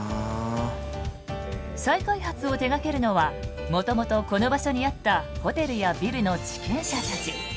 再開発を手がけるのはもともとこの場所にあったホテルやビルの地権者たち。